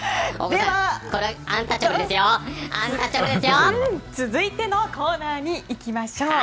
では、続いてのコーナーに行きましょう。